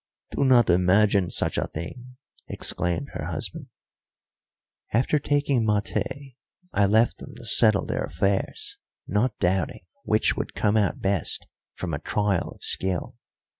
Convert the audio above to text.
"Do not imagine such a thing!" exclaimed her husband. After taking maté I left them to settle their affairs, not doubting which would come out best from a trial of skill.